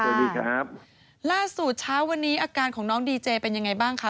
สวัสดีครับล่าสุดเช้าวันนี้อาการของน้องดีเจเป็นยังไงบ้างคะ